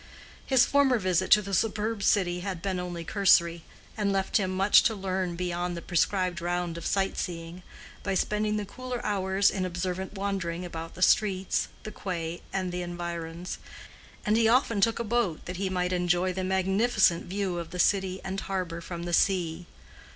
His former visit to the superb city had been only cursory, and left him much to learn beyond the prescribed round of sight seeing, by spending the cooler hours in observant wandering about the streets, the quay, and the environs; and he often took a boat that he might enjoy the magnificent view of the city and harbor from the sea.